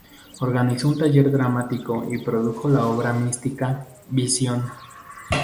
Organizó un taller dramático y produjo la obra mística "Vision".